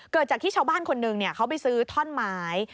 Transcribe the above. เกิดจากที่ชาวบ้านคนหนึ่งเขาไปซื้อท่อนไม้